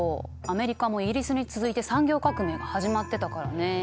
アメリカもイギリスに続いて産業革命が始まってたからね。